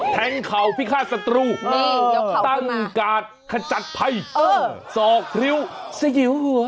เข่าพิฆาตศัตรูตั้งกาดขจัดภัยสอกพริ้วสยิวหัว